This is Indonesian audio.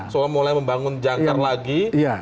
soalnya mulai membangun jangkar lagi